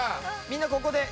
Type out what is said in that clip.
みんなここで。